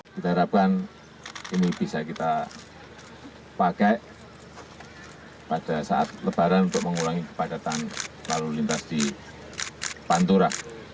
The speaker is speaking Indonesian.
kita harapkan ini bisa kita pakai pada saat lebaran untuk mengulangi kepadatan lalu lintas di pantura